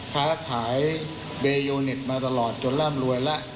ค้าขายเบโยเน็ตมาตลอดจนร่ำรวยแล้ว